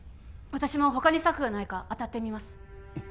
私も他に策がないかあたってみます